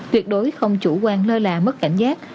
tuyệt đối không chủ quan lơ là mất cảnh giác